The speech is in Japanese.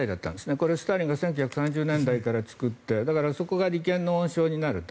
これはスターリンが１９３０年代から作ってだからそこが利権の温床になると。